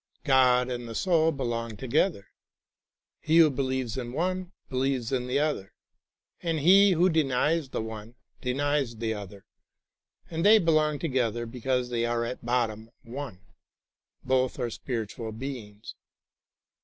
God and the soul be long together; he who believes in one believes in the other, and he who denies the one denies the other; and they belong together because they are at bottom one, both are spiritual beings.